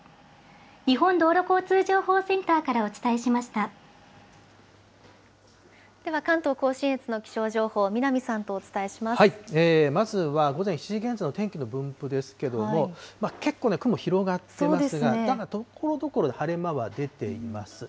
日本道路交通情報センターからおでは関東甲信越の気象情報、まずは、午前７時現在の天気の分布ですけども、結構、雲広がってますが、ところどころで晴れ間は出ています。